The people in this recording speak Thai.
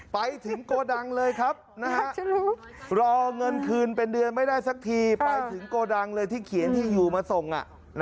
ไปถึงโกดังเลยครับรอเงินคืนเป็นเดือนไม่ได้สักทีไปถึงโกดังเลยที่เขียนที่อยู่มาส่ง